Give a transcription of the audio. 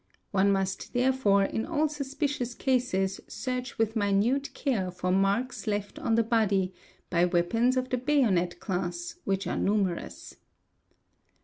One must therefore in all suspicious f cases search with minute care for marks left on the body by weapons | of the bayonet class, which are numerous.